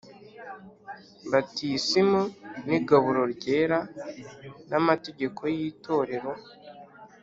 Batisimu n igaburo ryera n amategeko y Itorero